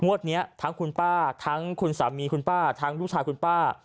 วันนี้ทั้งคุณป้าทั้งคุณสามีคุณป้าทั้งลูกชายคุณป้า